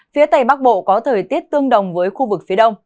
phía tây bắc bộ có thời tiết tương đồng với khu vực phía đông